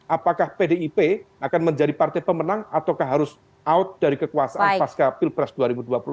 apakah pdip akan menjadi partai pemenang ataukah harus out dari kekuasaan